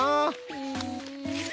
うん。